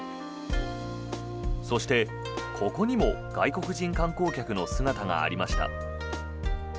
そして、ここにも外国人観光客の姿がありました。